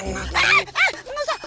eh eh nggak usah